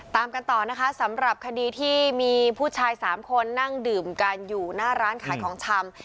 ตามกันต่อนะคะสำหรับคดีที่มีผู้ชาย๓คนนั่งดื่มกันอยู่หน้าร้านขายของชำ